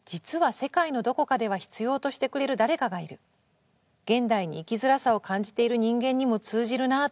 現代に生きづらさを感じている人間にも通じるなと救いを感じました。